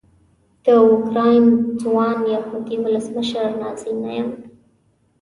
د اوکراین ځوان یهودي ولسمشر نازي نه یم.